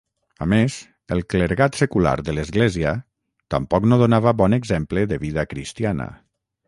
A més, el clergat secular de l'Església tampoc no donava bon exemple de vida cristiana.